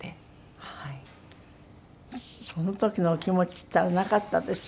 その時のお気持ちっていったらなかったでしょ？